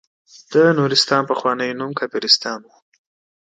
د نورستان پخوانی نوم کافرستان وه.